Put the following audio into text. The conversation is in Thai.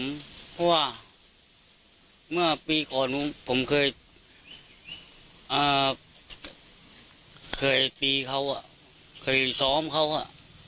เพราะว่าเมื่อปีก่อนผมเคยอ่าเคยปีเขาอะเคยสอมเขาอะ